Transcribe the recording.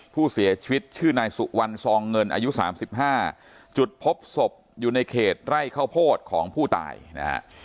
ผู้เสียชีวิตชื่อนายสุวรรณซองเงินอายุ๓๕จุดพบศพอยู่ในเขตไร่ข้าวโพดของผู้ตายนะฮะ